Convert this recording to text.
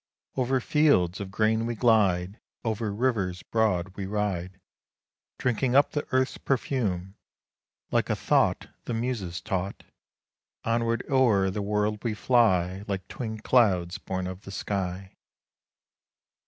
Over fields of grain we glide, Over rivers broad we ride, Drinking up the earth's perfume; Like a thought The muses taught Onward o'er the world we fly, Like twin clouds born of the sky.